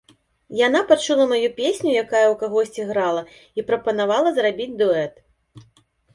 Яна пачула маю песню, якая ў кагосьці грала, і прапанавала зрабіць дуэт.